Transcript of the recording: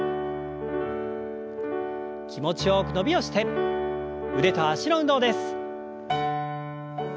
気持ちよく伸びをして腕と脚の運動です。